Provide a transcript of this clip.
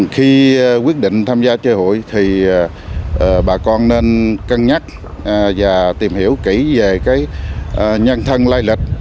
khi quyết định tham gia chơi hụi thì bà con nên cân nhắc và tìm hiểu kỹ về nhân thân lai lịch